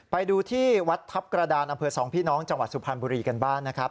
ไปดูที่วัดทัพกระดานอำเภอสองพี่น้องจังหวัดสุพรรณบุรีกันบ้างนะครับ